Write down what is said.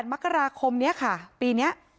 มกราคมนี้ค่ะปีนี้